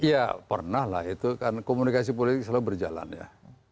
ya pernah lah itu kan komunikasi politik selalu berjalan ya